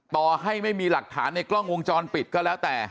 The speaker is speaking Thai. ต่อให้ไม่มีหลักฐานในกล้องวงจรปิดก็แล้วแต่